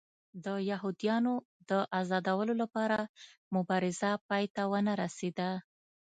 د یهودیانو د ازادولو لپاره مبارزه پای ته ونه رسېده.